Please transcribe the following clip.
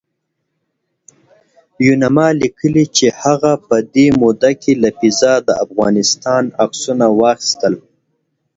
یوناما لیکلي چې هغه په دې موده کې له فضا د افغانستان عکسونه واخیستل